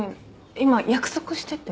今約束してて。